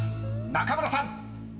中村さん］